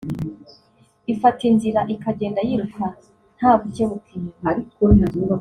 ifata inzira ikagenda yiruka ntagukebuka inyuma